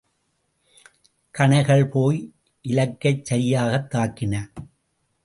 கணைகள் போய் இலக்கைச் சரியாகத் தாக்கின.